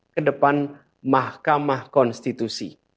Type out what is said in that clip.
ke depan mahkamah konstitusi